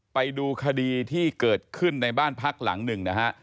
ไปดูคดีที่เกิดขึ้นในบ้านพักหลังหนึ่งนะฮะ